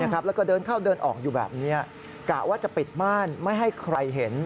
แล้วก็เดินเข้าเดินออกอยู่แบบนี้กะว่าจะปิดม่านไม่ให้ใครเห็น